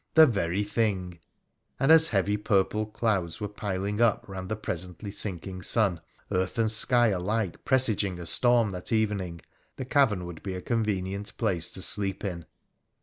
The very thing ! And, as heavy purple clouds were piling up round the presently sinking sun, earth and sky alike presaging a storm that evening, the cavern would be a convenient place to sleep in.